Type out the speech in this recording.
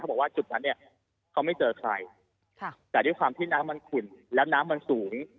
บอกว่าจุดนั้นเนี่ยเขาไม่เจอใครแต่ด้วยความที่น้ำมันขุ่นแล้วน้ำมันสูง